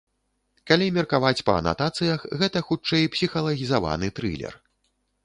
Калі меркаваць па анатацыях, гэта хутчэй псіхалагізаваны трылер.